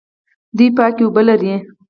دوی پاکې اوبه لري.